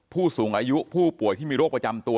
ผู้สูงอายุผู้ป่วยที่มีโรคประจำตัว